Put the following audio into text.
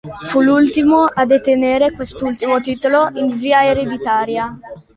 Fu l'ultimo a detenere quest'ultimo titolo in via ereditaria.